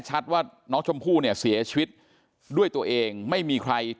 ว่าน้องชมพู่เนี่ยเสียชีวิตด้วยตัวเองไม่มีใคร